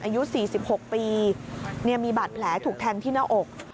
อายุ๔๖ปีมีบาดแผลถูกแทงที่หน้าอก